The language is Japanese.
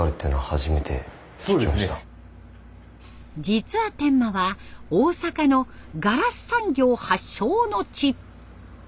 実は天満は大阪のガラス産業発祥の地。